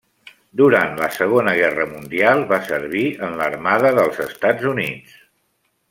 Durant la Segona Guerra Mundial va servir en l'armada dels Estats Units.